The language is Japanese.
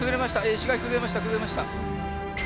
石垣崩れました崩れました。